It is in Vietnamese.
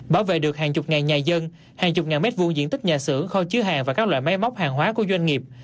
bảo vệ được hàng chục ngàn nhà dân hàng chục ngàn mét vuông diện tích nhà xưởng kho chứa hàng và các loại máy móc hàng hóa của doanh nghiệp